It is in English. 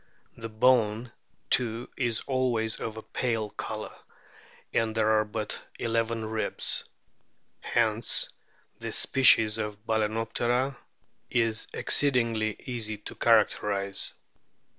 The "bone" too is always of a pale colour, and there are but eleven ribs. Hence this species of Bal&noptera is exceedingly easy to characterise.